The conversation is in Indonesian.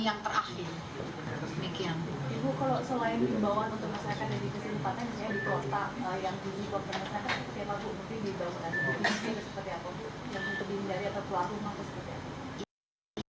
yang terdiri dari atas lagung atau seperti apa